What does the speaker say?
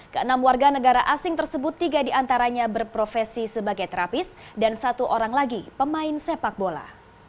ke enam warga negara asing tersebut tiga diantaranya berprofesi sebagai terapis dan satu orang lagi pemain sepak bola